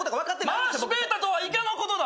マーシュペーターとはイカのことだ